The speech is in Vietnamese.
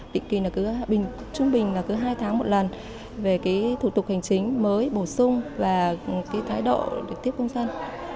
định kỳ trung bình là cứ hai tháng một lần về thủ tục hành chính mới bổ sung và thái độ tiếp công dân